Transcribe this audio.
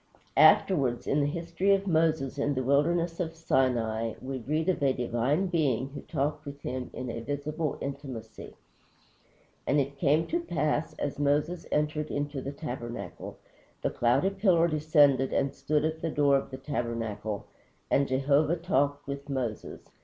Afterwards, in the history of Moses in the wilderness of Sinai, we read of a divine Being who talked with him in a visible intimacy: "And it came to pass, as Moses entered into the tabernacle, the cloudy pillar descended and stood at the door of the tabernacle, and Jehovah talked with Moses.